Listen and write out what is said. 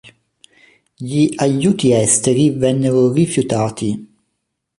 Gli aiuti esteri vennero rifiutati.